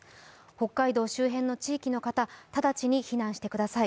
北海道周辺の地域の方直ちに避難してください。